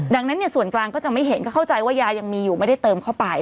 ดังนั้นส่วนกลางก็จะไม่เห็นก็เข้าใจว่ายายังมีอยู่ไม่ได้เติมเข้าไป